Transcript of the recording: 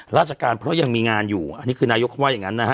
ราชการเพราะยังมีงานอยู่อันนี้คือนายกเขาว่าอย่างนั้นนะฮะ